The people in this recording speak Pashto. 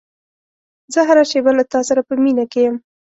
زه هره شېبه له تا سره په مینه کې یم.